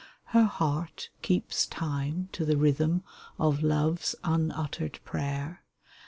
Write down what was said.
Her heart keeps time to the rhythm Of love's unuttered prayer.